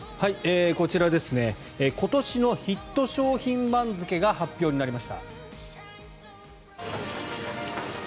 こちら、今年のヒット商品番付が発表になりました。